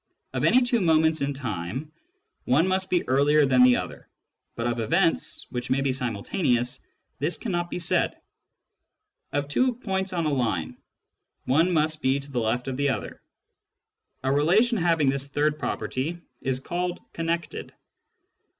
Of any two moments in time, one must be earlier than the other ; but of events, which may be simultaneous, this cannot be said. Of two points on a line, one must be to the left of the other. A relation having this third property is called connected.